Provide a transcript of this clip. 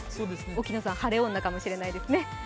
沖野さん晴れ女かもしれないですね。